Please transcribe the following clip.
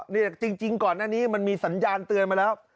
จริงก่อนหน้านี้มันมีสัญญาณเตือนมาแล้ว